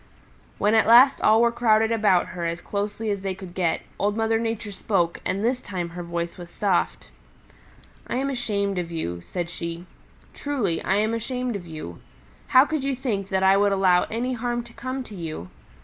When at last all were crowded about her as closely as they could get, Old Mother Nature spoke and this time her voice was soft. "I am ashamed of you," said she. "Truly I am ashamed of you. How could you think that I would allow any harm to come to you?